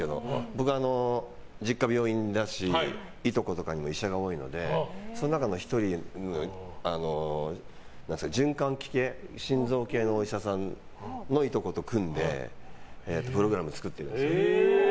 僕は、実家が病院だしいとことかにも医者が多いのでその中の１人に循環器系心臓系のお医者さんのいとこと組んでプログラム作ってるんですよ。